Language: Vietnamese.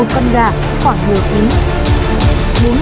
một con gà khoảng một mươi kg